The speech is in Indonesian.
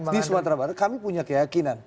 di sumatera barat kami punya keyakinan